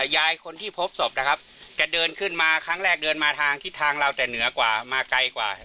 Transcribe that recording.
ยายคนที่พบศพนะครับแกเดินขึ้นมาครั้งแรกเดินมาทางทิศทางเราแต่เหนือกว่ามาไกลกว่า